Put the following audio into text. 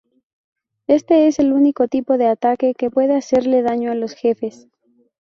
Este es el único tipo de ataque que puede hacerle daño a los jefes.